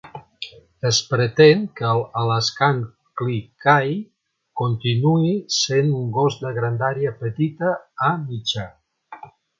Es pretén que el Alaskan Klee Kai continuï sent un gos de grandària petita a mitjà.